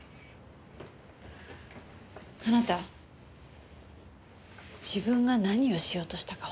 あなた自分が何をしようとしたか